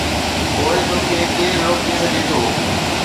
پوءِ توکي ڪير روڪي سگهي ٿو؟